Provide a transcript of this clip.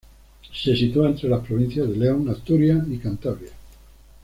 Se sitúa entre las provincias de León, Asturias, y Cantabria.